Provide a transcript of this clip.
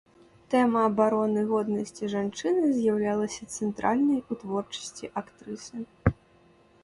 Тэма абароны годнасці жанчыны з'яўлялася цэнтральнай у творчасці актрысы.